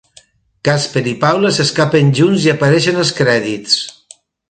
Casper i Paula s'escapen junts i apareixen els crèdits.